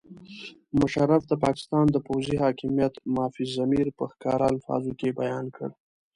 مشرف د پاکستان د پوځي حاکمیت مافي الضمیر په ښکاره الفاظو کې بیان کړ.